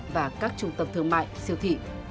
và các trung tâm thương mại siêu thị